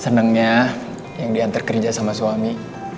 senangnya yang diantar kerja sama suami